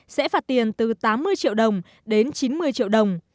sẽ phạt tiền từ tám mươi triệu đồng đến chín mươi triệu đồng